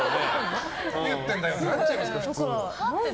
何言ってんだよってなっちゃいますよ、ふつう。